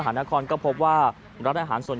จำนวนนักท่องเที่ยวที่เดินทางมาพักผ่อนเพิ่มขึ้นในปีนี้